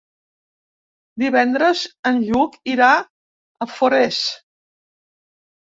Divendres en Lluc irà a Forès.